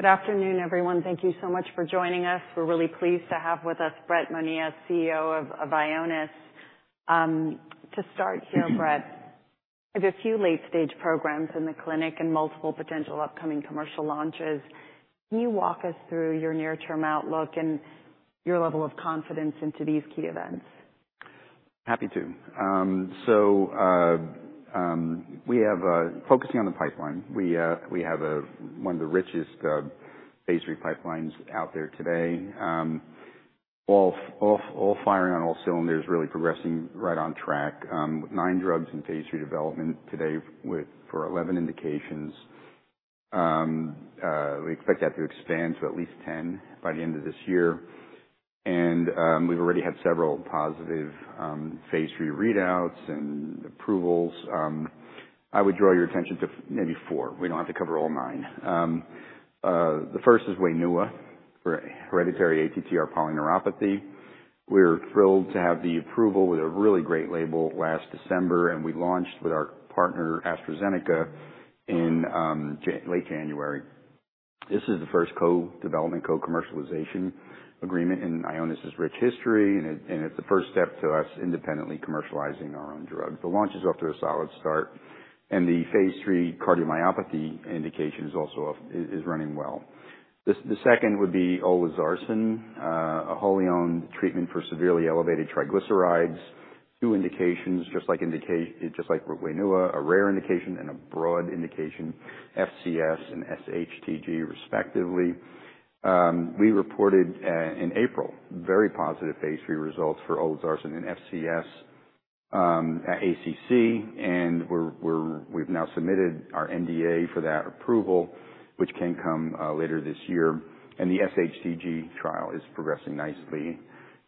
Good afternoon, everyone. Thank you so much for joining us. We're really pleased to have with us Brett Monia, CEO of Ionis. To start here, Brett, there's a few late-stage programs in the clinic and multiple potential upcoming commercial launches. Can you walk us through your near-term outlook and your level of confidence into these key events? Happy to. So, we have... Focusing on the pipeline, we have one of the richest phase III pipelines out there today. All firing on all cylinders, really progressing right on track, with nine drugs in phase III development today, for 11 indications. We expect that to expand to at least 10 by the end of this year. We've already had several positive phase III readouts and approvals. I would draw your attention to maybe four; we don't have to cover all nine. The first is WAINUA, for hereditary ATTR polyneuropathy. We were thrilled to have the approval with a really great label last December, and we launched with our partner, AstraZeneca, in late January. This is the first co-development, co-commercialization agreement in Ionis rich history, and it's the first step to us independently commercializing our own drug. The launch is off to a solid start, and the phase III cardiomyopathy indication is also off, is running well. The second would be olezarsen, a wholly-owned treatment for severely elevated triglycerides. Two indications, just like with WAINUA, a rare indication and a broad indication, FCS and sHTG, respectively. We reported in April, very positive phase III results for olezarsen in FCS, at ACC, and we've now submitted our NDA for that approval, which can come later this year, and the sHTG trial is progressing nicely.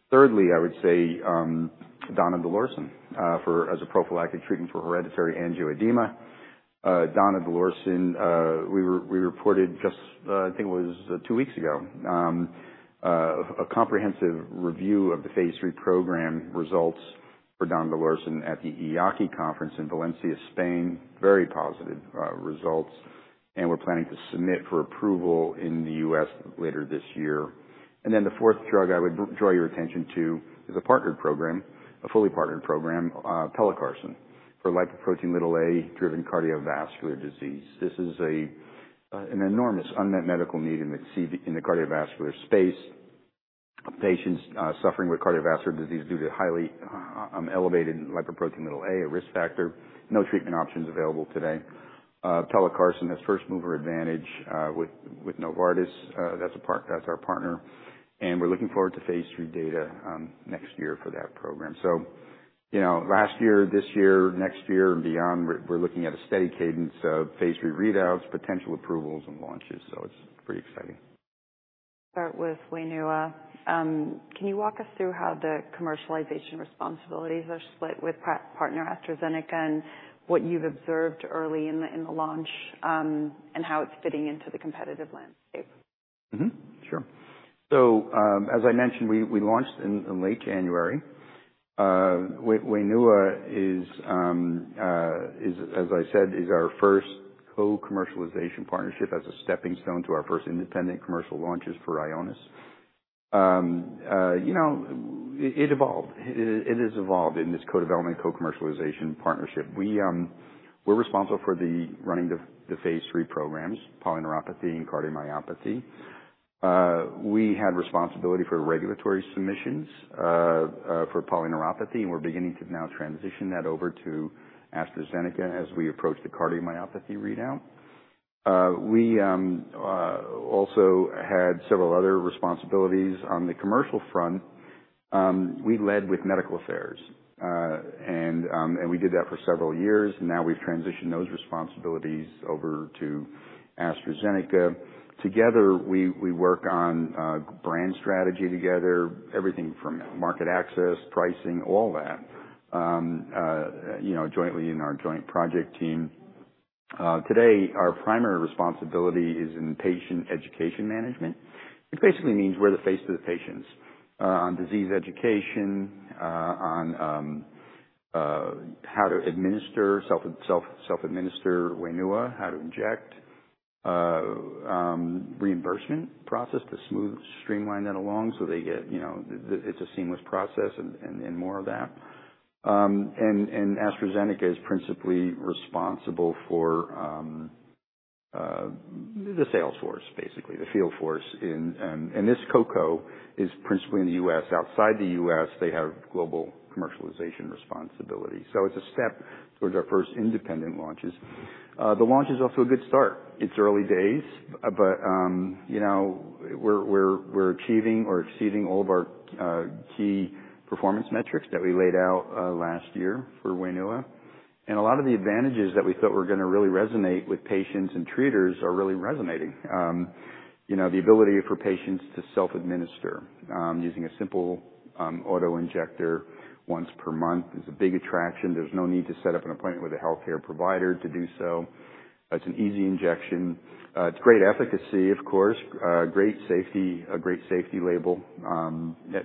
Thirdly, I would say, donidalorsen, for, as a prophylactic treatment for hereditary angioedema. Donidalorsen, we reported just, I think it was two weeks ago, a comprehensive review of the phase III program results for donidalorsen at the EAACI conference in Valencia, Spain. Very positive results, and we're planning to submit for approval in the U.S. later this year. And then the fourth drug I would draw your attention to, is a partnered program, a fully partnered program, pelacarsen, for lipoprotein(a)-driven cardiovascular disease. This is an enormous unmet medical need in the cardiovascular space. Patients suffering with cardiovascular disease due to highly elevated lipoprotein(a), a risk factor, no treatment options available today. Pelacarsen has first mover advantage, with Novartis, that's our partner, and we're looking forward to phase III data next year for that program. So, you know, last year, this year, next year and beyond, we're looking at a steady cadence of phase III readouts, potential approvals and launches, so it's pretty exciting. Start with WAINUA. Can you walk us through how the commercialization responsibilities are split with partner AstraZeneca, and what you've observed early in the launch, and how it's fitting into the competitive landscape? Mm-hmm. Sure. So, as I mentioned, we launched in late January. WAINUA is, as I said, our first co-commercialization partnership as a stepping stone to our first independent commercial launches for Ionis. You know, it has evolved in this co-development, co-commercialization partnership. We're responsible for running the phase III programs, polyneuropathy and cardiomyopathy. We had responsibility for regulatory submissions for polyneuropathy, and we're beginning to now transition that over to AstraZeneca as we approach the cardiomyopathy readout. We also had several other responsibilities on the commercial front. We led with medical affairs, and we did that for several years, and now we've transitioned those responsibilities over to AstraZeneca. Together, we work on brand strategy together, everything from market access, pricing, all that, you know, jointly in our joint project team. Today, our primary responsibility is in patient education management. It basically means we're the face to the patients on disease education, on how to self-administer WAINUA, how to inject, reimbursement process, to streamline that along, so they get, you know, it's a seamless process and more of that. AstraZeneca is principally responsible for the sales force, basically, the field force in the U.S. This co-promotion is principally in the U.S. Outside the U.S., they have global commercialization responsibility. So it's a step towards our first independent launches. The launch is off to a good start. It's early days, but you know, we're achieving or exceeding all of our key performance metrics that we laid out last year for WAINUA. And a lot of the advantages that we thought were gonna really resonate with patients and treaters are really resonating. You know, the ability for patients to self-administer using a simple auto-injector once per month is a big attraction. There's no need to set up an appointment with a healthcare provider to do so. It's an easy injection. It's great efficacy, of course, great safety, a great safety label.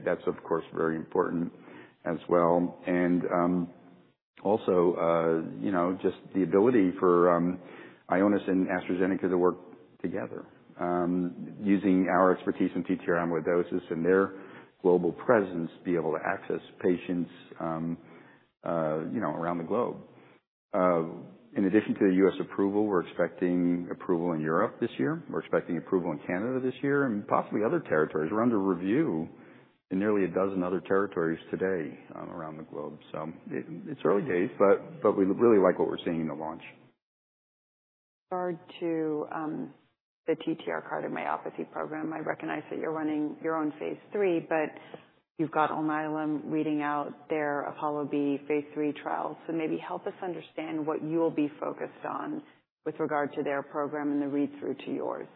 That's, of course, very important as well. And... Also, you know, just the ability for, Ionis and AstraZeneca to work together, using our expertise in TTR amyloidosis and their global presence, to be able to access patients, you know, around the globe. In addition to the U.S. approval, we're expecting approval in Europe this year. We're expecting approval in Canada this year, and possibly other territories. We're under review in nearly a dozen other territories today, around the globe. So it, it's early days, but, but we really like what we're seeing in the launch. With regard to the TTR cardiomyopathy program, I recognize that you're running your own phase III, but you've got Alnylam reading out their APOLLO-B phase III trial. So maybe help us understand what you'll be focused on with regard to their program and the read-through to yours.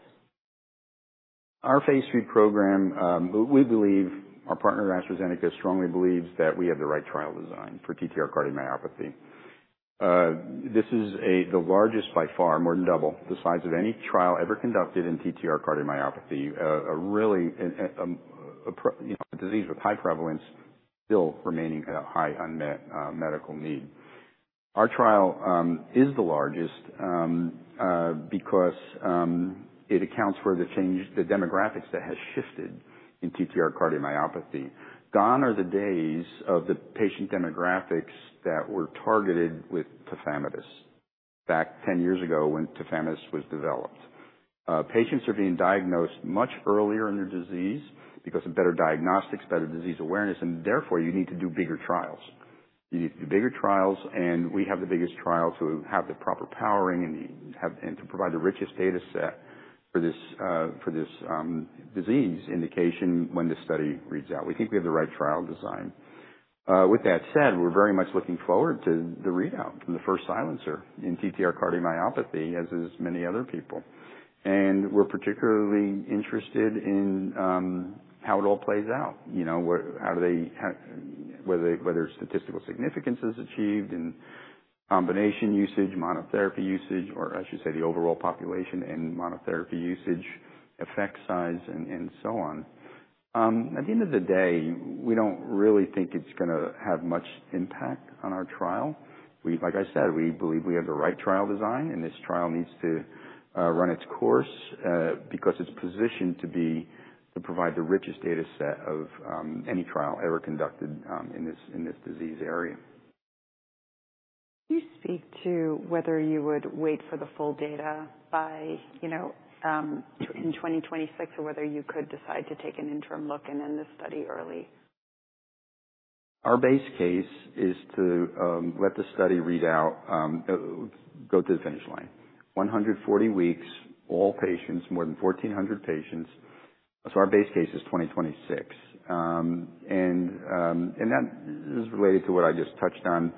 Our phase III program, we believe, our partner, AstraZeneca, strongly believes that we have the right trial design for TTR cardiomyopathy. This is the largest, by far, more than double the size of any trial ever conducted in TTR cardiomyopathy. A really, you know, a disease with high prevalence, still remaining a high unmet medical need. Our trial is the largest because it accounts for the change, the demographics that has shifted in TTR cardiomyopathy. Gone are the days of the patient demographics that were targeted with tafamidis, back 10 years ago when tafamidis was developed. Patients are being diagnosed much earlier in their disease because of better diagnostics, better disease awareness, and therefore, you need to do bigger trials. You need to do bigger trials, and we have the biggest trial, so we have the proper powering and have, and to provide the richest data set for this for this disease indication when this study reads out. We think we have the right trial design. With that said, we're very much looking forward to the readout from the first silencer in TTR cardiomyopathy, as is many other people. And we're particularly interested in how it all plays out. You know, how do they, whether they, whether statistical significance is achieved in combination usage, monotherapy usage, or I should say, the overall population and monotherapy usage, effect size, and so on. At the end of the day, we don't really think it's gonna have much impact on our trial. We, like I said, we believe we have the right trial design, and this trial needs to run its course, because it's positioned to be to provide the richest data set of any trial ever conducted in this disease area. Can you speak to whether you would wait for the full data by, you know, in 2026, or whether you could decide to take an interim look and end the study early? Our base case is to let the study read out, go to the finish line. 140 weeks, all patients, more than 1,400 patients, so our base case is 2026. And that is related to what I just touched on.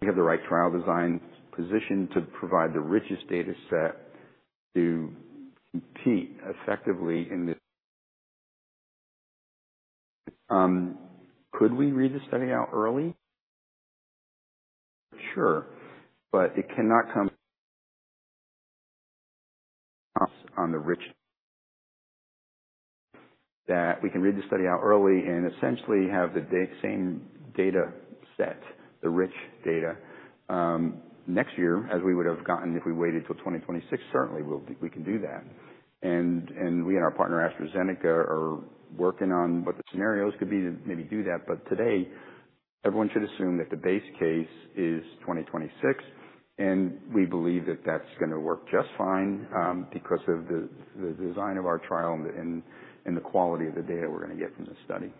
We have the right trial design, positioned to provide the richest data set to compete effectively in this. Could we read the study out early? Sure, but it cannot come on the rich. That we can read the study out early and essentially have the same data set, the rich data, next year, as we would have gotten if we waited till 2026, certainly, we can do that. And we and our partner, AstraZeneca, are working on what the scenarios could be to maybe do that. But today, everyone should assume that the base case is 2026, and we believe that that's gonna work just fine, because of the design of our trial and the quality of the data we're gonna get from this study.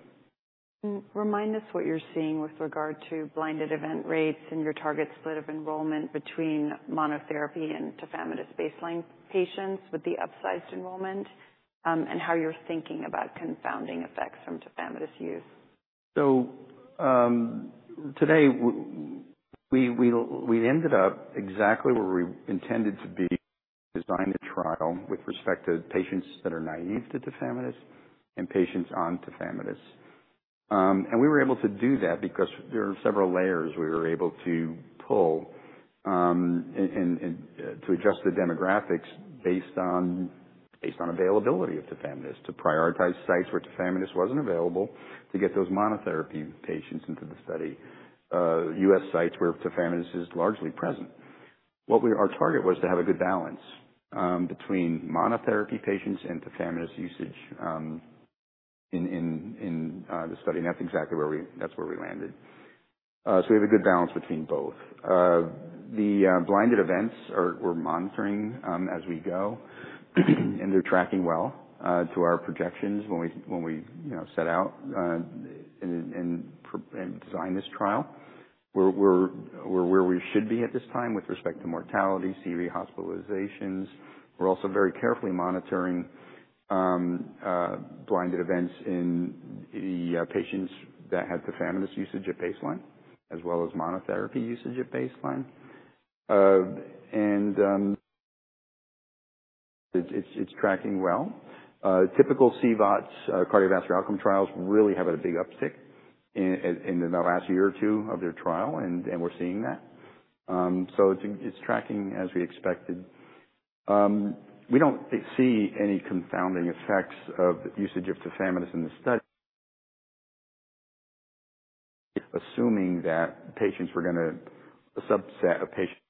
Remind us what you're seeing with regard to blinded event rates and your target split of enrollment between monotherapy and tafamidis baseline patients with the upsized enrollment, and how you're thinking about confounding effects from tafamidis use? So, today we ended up exactly where we intended to be, designed the trial with respect to patients that are naive to tafamidis and patients on tafamidis. And we were able to do that because there are several layers we were able to pull, and to adjust the demographics based on availability of tafamidis, to prioritize sites where tafamidis wasn't available, to get those monotherapy patients into the study, U.S. sites where tafamidis is largely present. Our target was to have a good balance between monotherapy patients and tafamidis usage in the study, and that's exactly where we landed. So we have a good balance between both. The blinded events are, we're monitoring as we go, and they're tracking well to our projections when we you know set out and designed this trial. We're where we should be at this time with respect to mortality, CV hospitalizations. We're also very carefully monitoring blinded events in the patients that had tafamidis usage at baseline, as well as monotherapy usage at baseline. And it's tracking well. Typical CVOTs, cardiovascular outcome trials, really have a big uptick in the last year or two of their trial, and we're seeing that. So it's tracking as we expected. We don't see any confounding effects of usage of tafamidis in the study, assuming that patients were gonna, a subset of patients,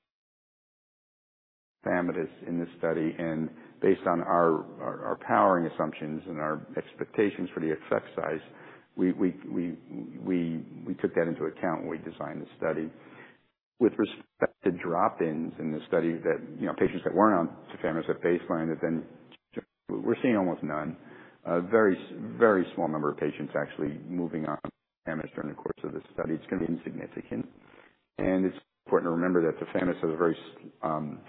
tafamidis in this study, and based on our powering assumptions and our expectations for the effect size, we took that into account when we designed the study. With respect to drop-ins in the study that, you know, patients that weren't on tafamidis at baseline, and then we're seeing almost none. A very small number of patients actually moving on tafamidis during the course of the study. It's gonna be insignificant, and it's important to remember that tafamidis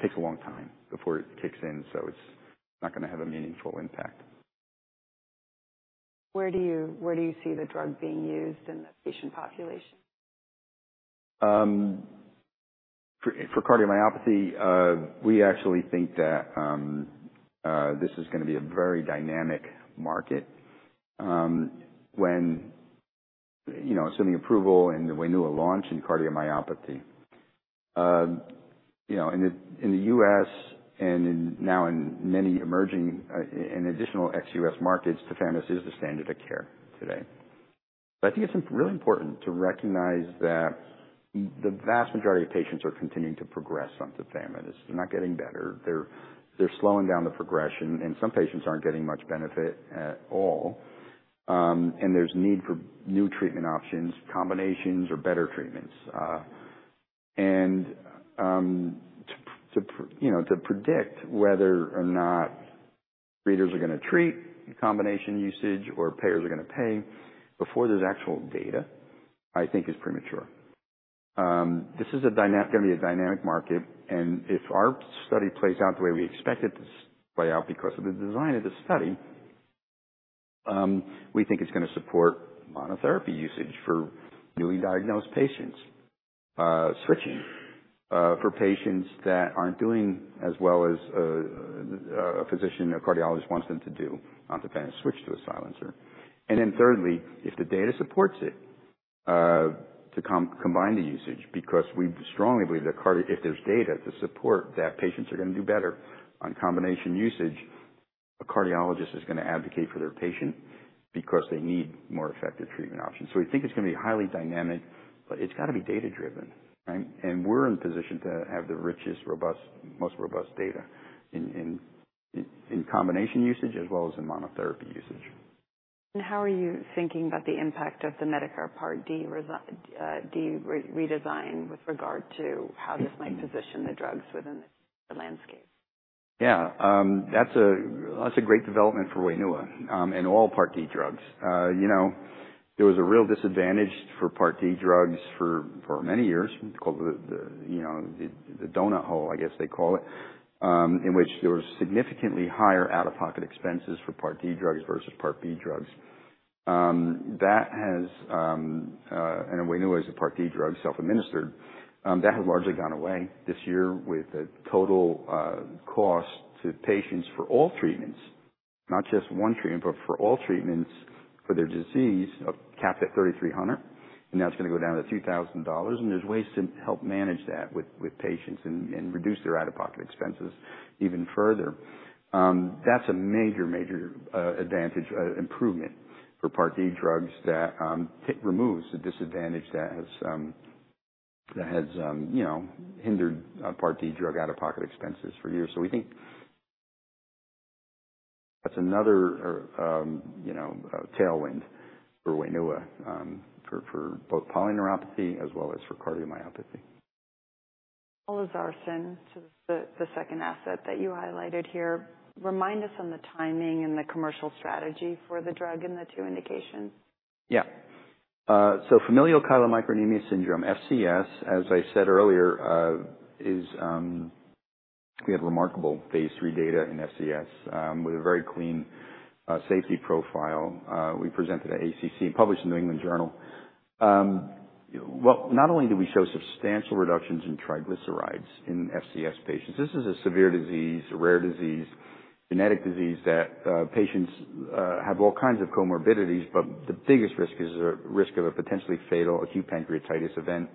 takes a long time before it kicks in, so it's not gonna have a meaningful impact. Where do you see the drug being used in the patient population? For cardiomyopathy, we actually think that this is gonna be a very dynamic market. When, you know, assuming approval and the WAINUA launch in cardiomyopathy. You know, in the U.S. and now in many emerging and additional ex-U.S. markets, tafamidis is the standard of care today. But I think it's really important to recognize that the vast majority of patients are continuing to progress on tafamidis. They're not getting better. They're slowing down the progression, and some patients aren't getting much benefit at all. And there's need for new treatment options, combinations or better treatments. And to predict whether or not readers are gonna treat combination usage or payers are gonna pay before there's actual data, I think is premature. This is a dynamic market, and if our study plays out the way we expect it to play out, because of the design of the study, we think it's gonna support monotherapy usage for newly diagnosed patients. Switching for patients that aren't doing as well as a physician or cardiologist wants them to do, on tafamidis, switch to a silencer. And then thirdly, if the data supports it, to combine the usage, because we strongly believe that cardiologists if there's data to support that patients are gonna do better on combination usage, a cardiologist is gonna advocate for their patient, because they need more effective treatment options. So we think it's gonna be highly dynamic, but it's gotta be data driven, right? We're in position to have the richest, robust, most robust data in combination usage as well as in monotherapy usage. How are you thinking about the impact of the Medicare Part D redesign, with regard to how this might position the drugs within the landscape? Yeah, that's a great development for WAINUA, and all Part D drugs. You know, there was a real disadvantage for Part D drugs for many years, called the donut hole, I guess they call it, in which there was significantly higher out-of-pocket expenses for Part D drugs versus Part B drugs. That has, and WAINUA is a Part D drug, self-administered, that has largely gone away this year with the total cost to patients for all treatments, not just one treatment, but for all treatments for their disease, capped at $3,300. And now it's gonna go down to $2,000, and there's ways to help manage that with patients and reduce their out-of-pocket expenses even further. That's a major, major advantage, improvement for Part D drugs that removes the disadvantage that has, that has, you know, hindered Part D drug out-of-pocket expenses for years. So we think that's another, you know, tailwind for WAINUA, for, for both polyneuropathy as well as for cardiomyopathy. Olezarsen, the second asset that you highlighted here, remind us on the timing and the commercial strategy for the drug and the two indications? Yeah. So familial chylomicronemia syndrome, FCS, as I said earlier, is... We had remarkable phase III data in FCS, with a very clean safety profile. We presented at ACC, and published in The New England Journal. Well, not only do we show substantial reductions in triglycerides in FCS patients, this is a severe disease, a rare disease, genetic disease, that patients have all kinds of comorbidities, but the biggest risk is a risk of a potentially fatal acute pancreatitis event.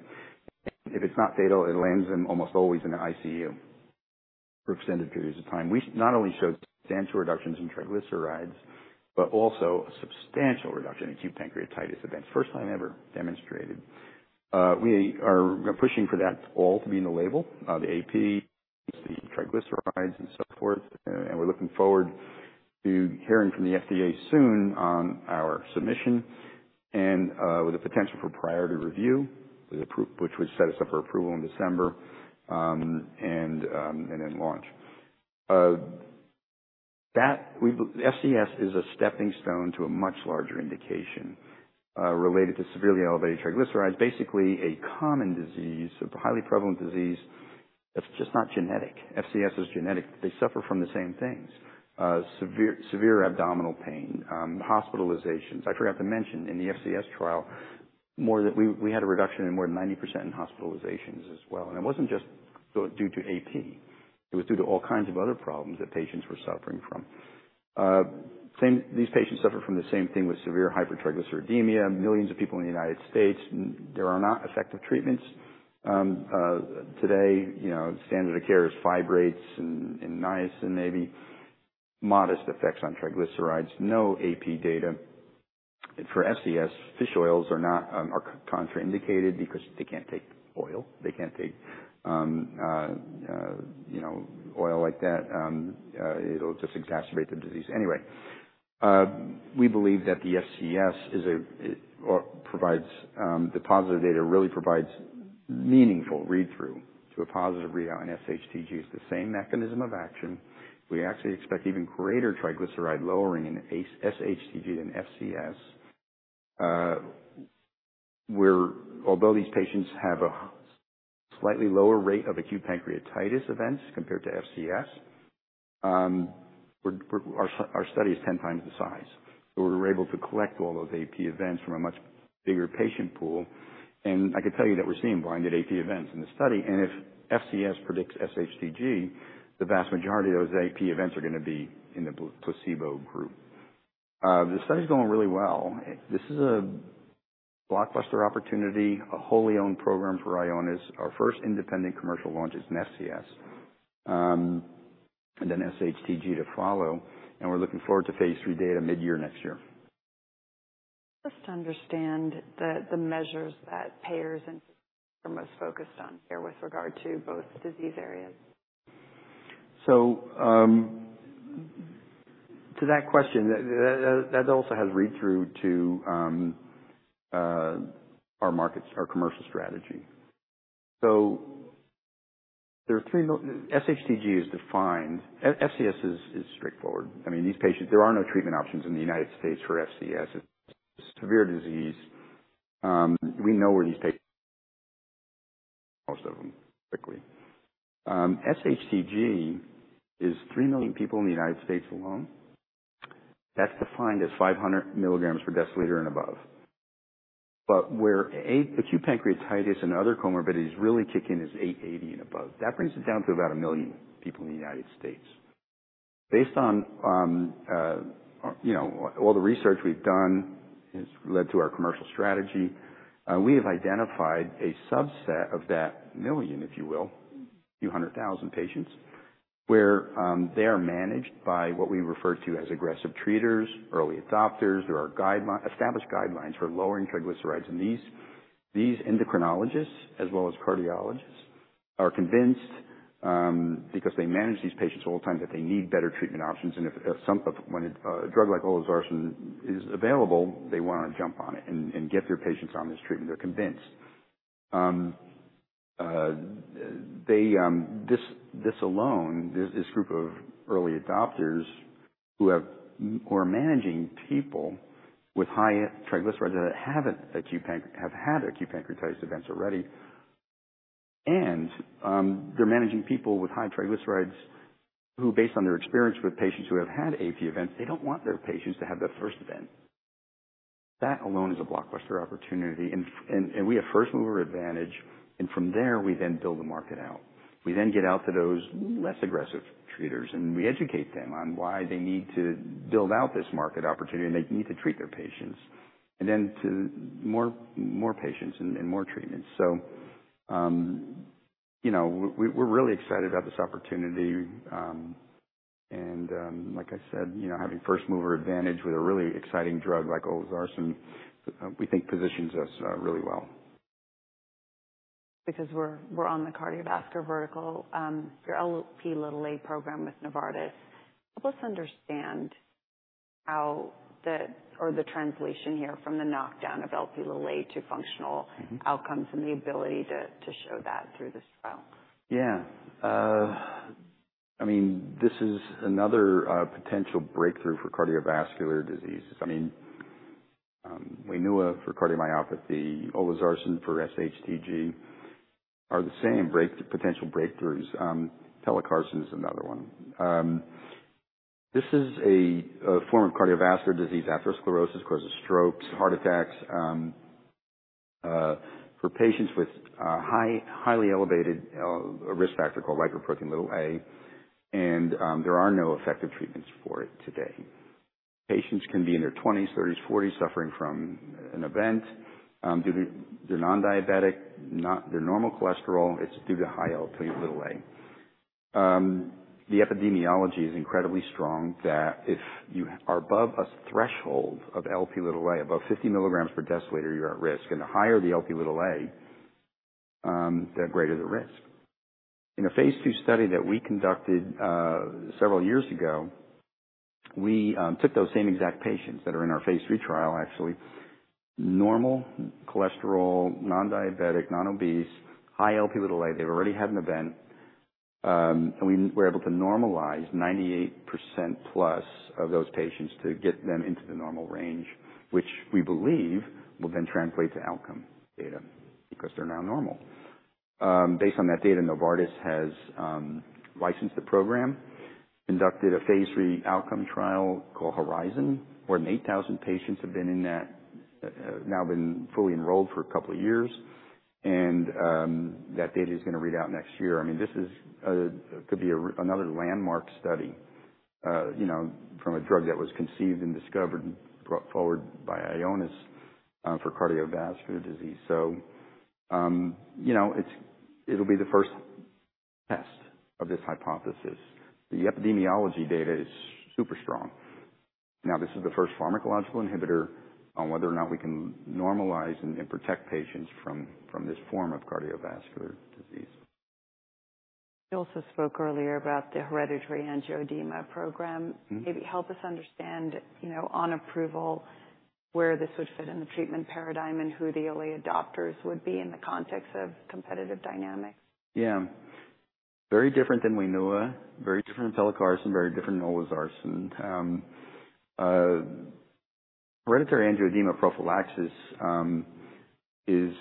If it's not fatal, it lands them almost always in the ICU for extended periods of time. We not only showed substantial reductions in triglycerides, but also a substantial reduction in acute pancreatitis events. First time ever demonstrated. We are pushing for that all to be in the label, the AP, the triglycerides and so forth, and we're looking forward to hearing from the FDA soon on our submission and, with the potential for priority review, which would set us up for approval in December, and then launch. FCS is a stepping stone to a much larger indication, related to severely elevated triglycerides. Basically a common disease, a highly prevalent disease, that's just not genetic. FCS is genetic. They suffer from the same things, severe, severe abdominal pain, hospitalizations. I forgot to mention, in the FCS trial, we had a reduction in more than 90% in hospitalizations as well, and it wasn't just due to AP. It was due to all kinds of other problems that patients were suffering from. Same, these patients suffer from the same thing with severe hypertriglyceridemia, millions of people in the United States, and there are not effective treatments. Today, you know, standard of care is fibrates and, and niacin, maybe. Modest effects on triglycerides, no AP data. For FCS, fish oils are not, are contraindicated because they can't take oil. They can't take, you know, oil like that. It'll just exacerbate the disease anyway. We believe that the FCS is a, it or provides, the positive data really provides meaningful read-through to a positive readout on sHTG is the same mechanism of action. We actually expect even greater triglyceride lowering in sHTG than FCS. Although these patients have a slightly lower rate of acute pancreatitis events compared to FCS, we're. Our study is 10x the size, so we were able to collect all those AP events from a much bigger patient pool. I can tell you that we're seeing blinded AP events in the study, and if FCS predicts sHTG, the vast majority of those AP events are gonna be in the placebo group. The study's going really well. This is a blockbuster opportunity, a wholly owned program for Ionis. Our first independent commercial launch is in FCS, and then sHTG to follow, and we're looking forward to phase III data mid-year next year. Just to understand the measures that payers are most focused on here with regard to both disease areas. So, to that question, that also has read-through to, our markets, our commercial strategy. So sHTG is defined. FCS is straightforward. I mean, these patients, there are no treatment options in the United States for FCS. It's severe disease. We know where these patients most of them, quickly. sHTG is 3 million people in the United States alone. That's defined as 500 milligrams per deciliter and above. But where acute pancreatitis and other comorbidities really kick in, is 880 and above. That brings it down to about 1 million people in the United States. Based on, you know, all the research we've done has led to our commercial strategy, we have identified a subset of that million, if you will, a few hundred thousand patients, where they are managed by what we refer to as aggressive treaters, early adopters. There are guideline-established guidelines for lowering triglycerides, and these endocrinologists, as well as cardiologists, are convinced because they manage these patients all the time that they need better treatment options. And when a drug like olezarsen is available, they want to jump on it and get their patients on this treatment. They're convinced. This alone, this group of early adopters who are managing people with high triglycerides that have had acute pancreatitis events already. They're managing people with high triglycerides, who, based on their experience with patients who have had AP events, don't want their patients to have that first event. That alone is a blockbuster opportunity, and we have first mover advantage, and from there, we then build the market out. We then get out to those less aggressive treaters, and we educate them on why they need to build out this market opportunity, and they need to treat their patients, and then to more patients and more treatments. So, you know, we're really excited about this opportunity. Like I said, you know, having first mover advantage with a really exciting drug like olezarsen, we think positions us really well. Because we're on the cardiovascular vertical, your Lp(a) program with Novartis. Help us understand how the translation here from the knockdown of Lp(a) to functional- Mm-hmm. outcomes and the ability to show that through this trial. Yeah. I mean, this is another potential breakthrough for cardiovascular diseases. I mean, we knew of for cardiomyopathy, olezarsen for sHTG, are the same potential breakthroughs. Pelacarsen is another one. This is a form of cardiovascular disease, atherosclerosis causes strokes, heart attacks, for patients with high, highly elevated risk factor called lipoprotein(a), and there are no effective treatments for it today. Patients can be in their twenties, thirties, forties, suffering from an event, due to they're non-diabetic, not their normal cholesterol, it's due to high Lp(a). The epidemiology is incredibly strong, that if you are above a threshold of Lp(a), above 50 milligrams per deciliter, you're at risk. And the higher the Lp(a), the greater the risk. In a phase II study that we conducted several years ago, we took those same exact patients that are in our phase III trial, actually. Normal cholesterol, non-diabetic, non-obese, high Lp(a), they've already had an event. We were able to normalize 98%+ of those patients to get them into the normal range, which we believe will then translate to outcome data, because they're now normal. Based on that data, Novartis has licensed the program, conducted a phase III outcome trial called HORIZON, where 8,000 patients have now been fully enrolled for a couple of years. That data is going to read out next year. I mean, this is could be another landmark study, you know, from a drug that was conceived and discovered, brought forward by Ionis, for cardiovascular disease. So, you know, it'll be the first test of this hypothesis. The epidemiology data is super strong. Now, this is the first pharmacological inhibitor on whether or not we can normalize and protect patients from this form of cardiovascular disease. You also spoke earlier about the hereditary angioedema program. Mm-hmm. Maybe help us understand, you know, on approval, where this would fit in the treatment paradigm, and who the early adopters would be in the context of competitive dynamics? Yeah. Very different than WAINUA, very different from pelacarsen, very different from olezarsen. Hereditary angioedema prophylaxis is.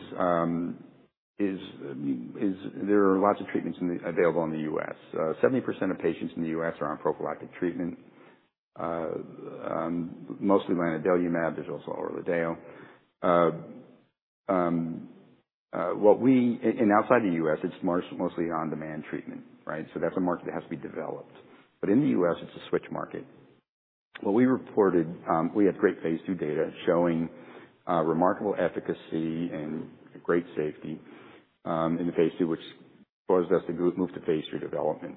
There are lots of treatments available in the US. 70% of patients in the U.S. are on prophylactic treatment. Mostly lanadelumab, there's also Orladeyo. And outside the US, it's mostly on-demand treatment, right? So that's a market that has to be developed. But in the US, it's a switch market. What we reported, we had great phase II data showing remarkable efficacy and great safety in the phase II, which caused us to move to phase III development.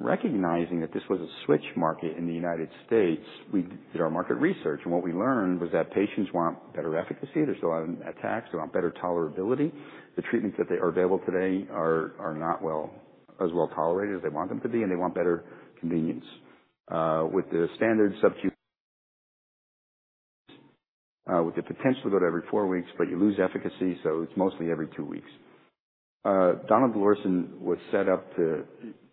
Recognizing that this was a switch market in the United States, we did our market research, and what we learned was that patients want better efficacy. They're still having attacks. They want better tolerability. The treatments that they are available today are not well, as well tolerated as they want them to be, and they want better convenience. With the standard subcu, with the potential to go to every four weeks, but you lose efficacy, so it's mostly every two weeks. Donidalorsen was set up to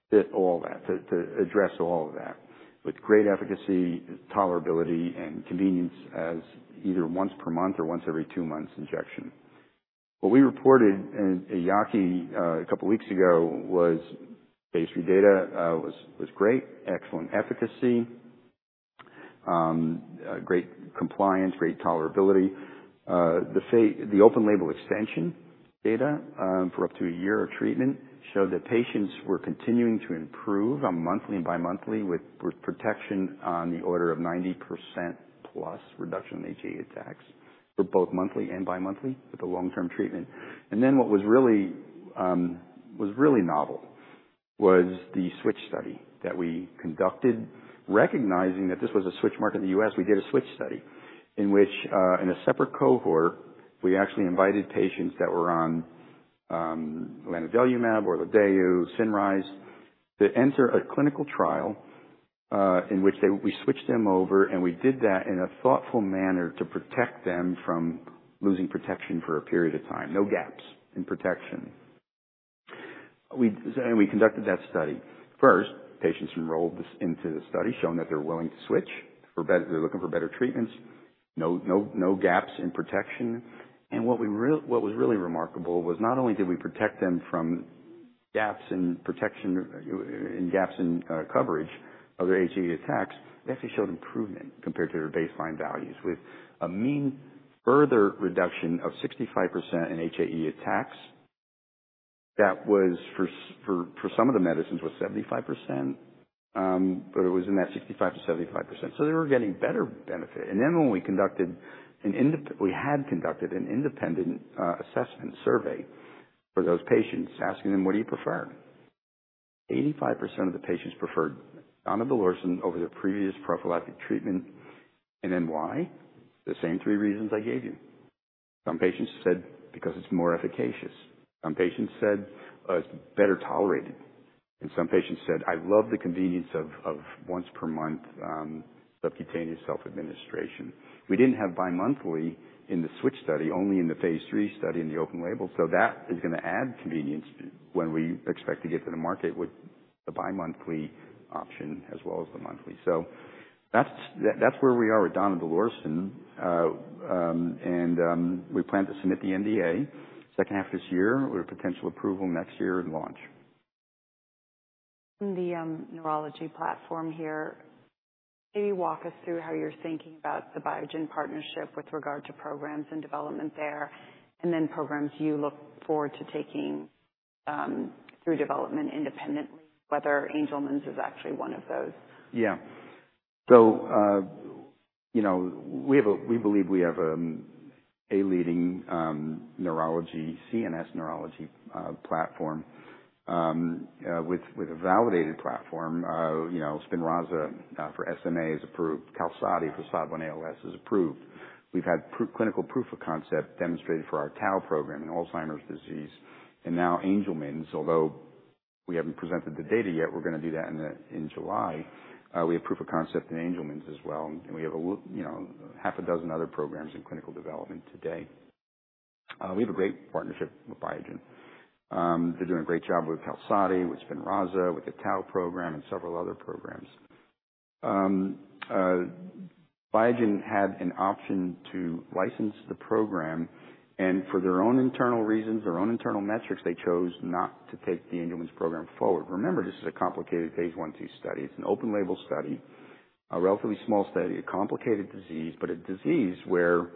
fit all that, to address all of that, with great efficacy, tolerability, and convenience, as either once per month or once every two months injection. What we reported in EAACI, a couple weeks ago, was phase III data, was great, excellent efficacy, great compliance, great tolerability. The open label extension data, for up to a year of treatment, showed that patients were continuing to improve on monthly and bimonthly, with protection on the order of 90%+ reduction in HAE attacks, for both monthly and bimonthly, with the long-term treatment. And then, what was really novel was the switch study that we conducted. Recognizing that this was a switch market in the U.S., we did a switch study, in which, in a separate cohort, we actually invited patients that were on lanadelumab or Orladeyo, CINRYZE, to enter a clinical trial, in which we switched them over, and we did that in a thoughtful manner to protect them from losing protection for a period of time, no gaps in protection. And we conducted that study. First, patients enrolled into the study, showing that they're willing to switch, for better—they're looking for better treatments, no, no, no gaps in protection. And what was really remarkable was not only did we protect them from gaps in protection, in gaps in coverage of their HAE attacks, they actually showed improvement compared to their baseline values, with a mean further reduction of 65% in HAE attacks. That was for some of the medicines, was 75%, but it was in that 65%-75%. So they were getting better benefit. And then, when we had conducted an independent assessment survey for those patients, asking them: What do you prefer? 85% of the patients preferred donidalorsen over the previous prophylactic treatment. And then, why? The same three reasons I gave you. Some patients said, "Because it's more efficacious." Some patients said, "it's better tolerated." Some patients said, "I love the convenience of once per month subcutaneous self-administration." We didn't have bimonthly in the switch study, only in the phase III study, in the open label, so that is gonna add convenience when we expect to get to the market with the bimonthly option, as well as the monthly. So that's where we are with donidalorsen. We plan to submit the NDA second half of this year, with a potential approval next year and launch. The neurology platform here. Can you walk us through how you're thinking about the Biogen partnership with regard to programs and development there, and then programs you look forward to taking through development independently, whether Angelman's is actually one of those? Yeah. So, you know, we believe we have a leading neurology, CNS neurology platform. With a validated platform, you know, SPINRAZA for SMA is approved. Qalsody for SOD1 ALS is approved. We've had clinical proof of concept demonstrated for our tau program in Alzheimer's disease, and now Angelman's, although we haven't presented the data yet, we're gonna do that in July. We have proof of concept in Angelman's as well, and we have, you know, half a dozen other programs in clinical development today. We have a great partnership with Biogen. They're doing a great job with Qalsody, with SPINRAZA, with the tau program, and several other programs. Biogen had an option to license the program, and for their own internal reasons, their own internal metrics, they chose not to take the Angelman's program forward. Remember, this is a complicated phase I/II study. It's an open label study. A relatively small study, a complicated disease, but a disease where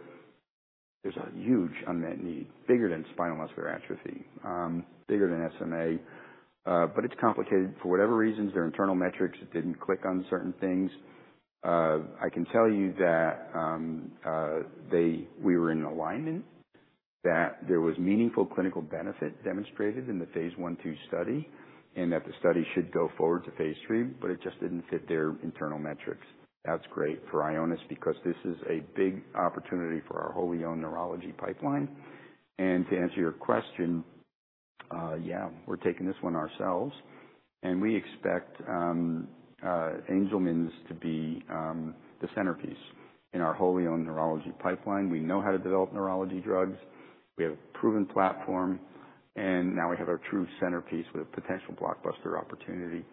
there's a huge unmet need, bigger than spinal muscular atrophy, bigger than SMA. But it's complicated. For whatever reasons, their internal metrics didn't click on certain things. I can tell you that, they we were in alignment, that there was meaningful clinical benefit demonstrated in the phase I, two study, and that the study should go forward to phase III, but it just didn't fit their internal metrics. That's great for Ionis, because this is a big opportunity for our wholly owned neurology pipeline. To answer your question, yeah, we're taking this one ourselves, and we expect Angelman's to be the centerpiece in our wholly owned neurology pipeline. We know how to develop neurology drugs. We have a proven platform, and now we have our true centerpiece with a potential blockbuster opportunity.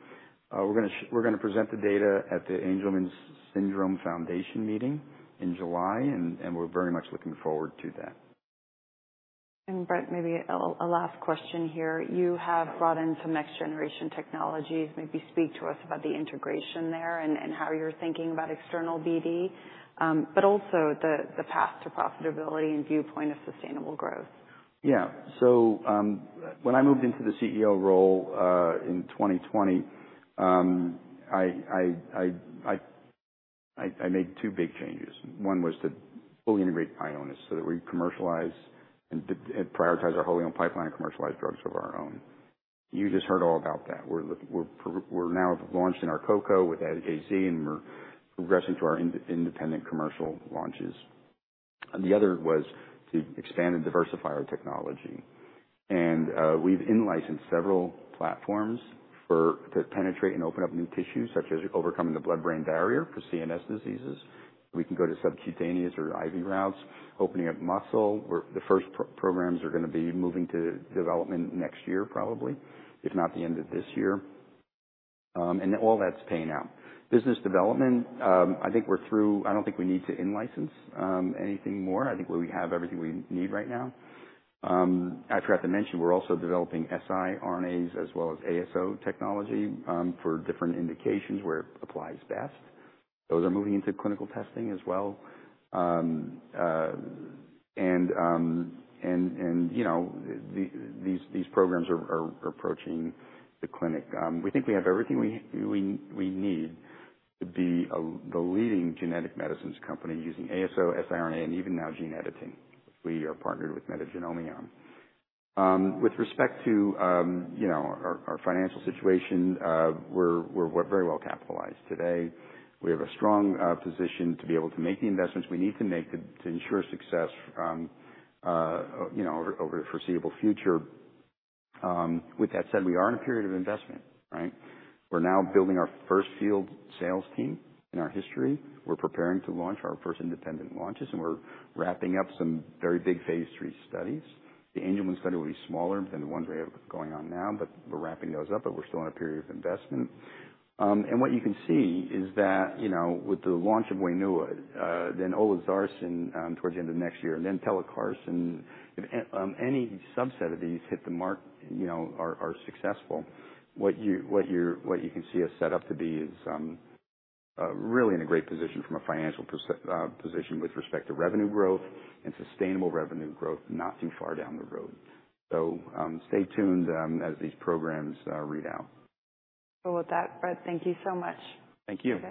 We're gonna present the data at the Angelman Syndrome Foundation meeting in July, and we're very much looking forward to that. And Brett, maybe a last question here. You have brought in some next-generation technologies. Maybe speak to us about the integration there and how you're thinking about external BD, but also the path to profitability and viewpoint of sustainable growth. Yeah. So, when I moved into the CEO role, in 2020, I made two big changes. One was to fully integrate Ionis, so that we commercialize and prioritize our wholly owned pipeline and commercialize drugs of our own. You just heard all about that. We're now launching our coco with AZ, and we're progressing to our independent commercial launches. The other was to expand and diversify our technology. And, we've in-licensed several platforms to penetrate and open up new tissues, such as overcoming the blood brain barrier for CNS diseases. We can go to subcutaneous or IV routes, opening up muscle, where the first programs are gonna be moving to development next year, probably, if not the end of this year. And all that's paying out. Business development, I think we're through. I don't think we need to in-license anything more. I think we have everything we need right now. I forgot to mention, we're also developing siRNAs as well as ASO technology for different indications where it applies best. Those are moving into clinical testing as well. You know, these programs are approaching the clinic. We think we have everything we need to be the leading genetic medicines company using ASO, siRNA, and even now, gene editing. We are partnered with Metagenomi on. With respect to, you know, our financial situation, we're very well capitalized today. We have a strong position to be able to make the investments we need to make to ensure success, you know, over the foreseeable future. With that said, we are in a period of investment, right? We're now building our first field sales team in our history. We're preparing to launch our first independent launches, and we're wrapping up some very big phase III studies. The Angelman study will be smaller than the ones we have going on now, but we're wrapping those up, but we're still in a period of investment. And what you can see is that, you know, with the launch of WAINUA, then olezarsen, towards the end of next year, and then pelacarsen, if any subset of these hit the mark, you know, are successful, what you can see us set up to be is really in a great position from a financial position with respect to revenue growth and sustainable revenue growth, not too far down the road. So, stay tuned as these programs read out. With that, Brett, thank you so much. Thank you.